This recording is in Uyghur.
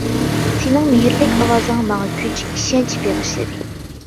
سېنىڭ مېھىرلىك ئاۋازىڭ ماڭا كۈچ، ئىشەنچ بېغىشلىدى.